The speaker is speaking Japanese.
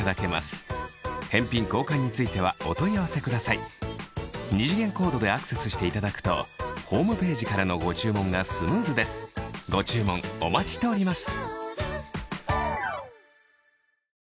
お得なチャンスをお見逃しなく二次元コードでアクセスしていただくとホームページからのご注文がスムーズですご注文お待ちしております